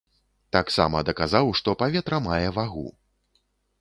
Таксама даказаў, што паветра мае вагу.